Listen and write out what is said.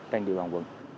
trên đường hàng quận